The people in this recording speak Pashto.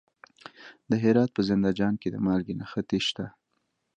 د هرات په زنده جان کې د مالګې نښې شته.